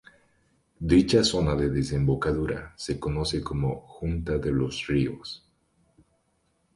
Dicha zona de desembocadura se conoce como Junta de los Ríos.